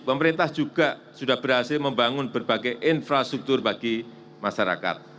pemerintah juga sudah berhasil membangun berbagai infrastruktur bagi masyarakat